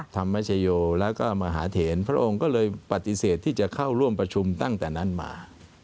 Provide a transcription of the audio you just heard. ธรรมชโยแล้วก็มหาเถนพระองค์ก็เลยปฏิเสธที่จะเข้าร่วมประชุมตั้งแต่นั้นมา